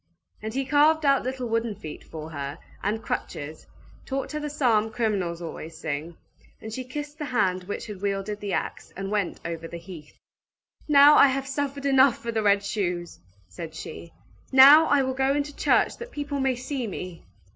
And he carved out little wooden feet for her, and crutches, taught her the psalm criminals always sing; and she kissed the hand which had wielded the axe, and went over the heath. "Now I have suffered enough for the red shoes!" said she. "Now I will go into the church that people may see me!"